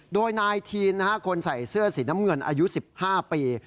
โดยนายทีนคนใส่เสื้อสีน้ำเงินอายุ๑๕ปี